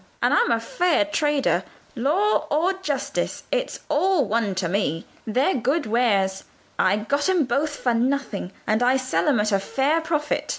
And I'm a fair trader. 'Law,' or 'Justice,' it's all one to me; they're good wares. I got 'em both for nothing, and I sell 'em at a fair profit.